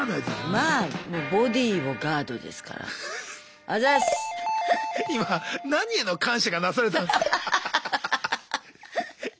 まあもうボディーをガードですから今何への感謝がなされたんすか？